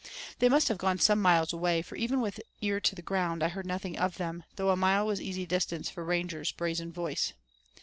They must have gone some miles away, for even with ear to the ground I heard nothing of them though a mile was easy distance for Ranger's brazen voice.